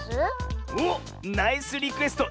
おっナイスリクエスト！